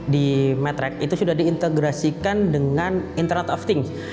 di metreck itu sudah diintegrasikan dengan internet of things